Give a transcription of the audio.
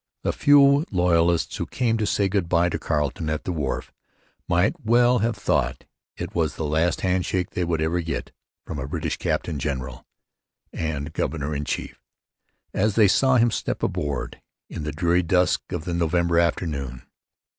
The few loyalists who came to say good bye to Carleton at the wharf might well have thought it was the last handshake they would ever get from a British 'Captain General and Governor in chief' as they saw him step aboard in the dreary dusk of that November afternoon.